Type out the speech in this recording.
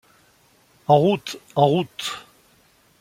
En route ! en route !